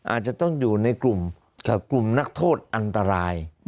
อาจจะต้องอยู่ในกลุ่มนักโทษอันตราย